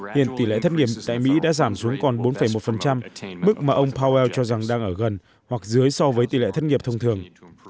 hiện tỷ lệ thất nghiệp tại mỹ đã giảm xuống còn bốn một mức mà ông powell cho rằng đang ở gần hoặc dưới so với tỷ lệ thất nghiệp thông thường